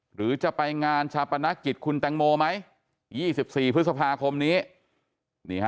หรือจะไปงานชาปนกิจคุณแตงโมไหม๒๔พฤษภาคมนี้